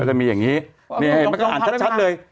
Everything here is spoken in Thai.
มันจะมีอย่างนี้อ่านชัดเลย